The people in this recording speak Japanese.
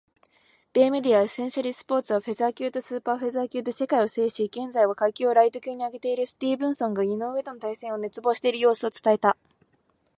米メディア「エッセンシャリースポーツ」は、フェザー級とスーパーフェザー級で世界を制し、現在は階級をライト級に上げているスティーブンソンが井上との対戦を熱望している様子を伝えた。